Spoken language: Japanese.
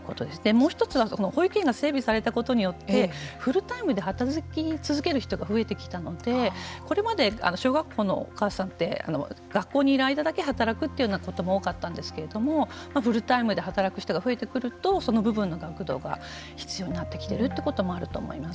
もう一つは、保育園が整備されたことによってフルタイムで働き続ける人が増えてきたのでこれまで小学校のお母さんって学校にいる間だけ働くというようなことも多かったんですけれどもフルタイムで働く人が増えてくるとその部分の学童が必要になってきているということがあると思います。